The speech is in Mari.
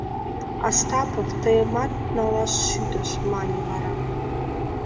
— Остапов тыйымат налаш шӱдыш, — мане вара.